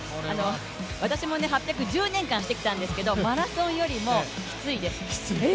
私も８００ｍ、１０年間してきたんですけど、マラソンよりきついです